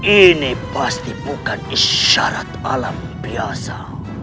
ini pasti bukan isyarat alam biasa